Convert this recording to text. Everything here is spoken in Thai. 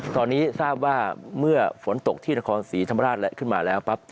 ตอนนี้ทราบว่าเมื่อฝนตกที่นครศรีธรรมราชและขึ้นมาแล้วปั๊บ